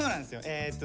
えっと